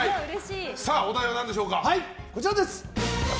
お題は何でしょうか？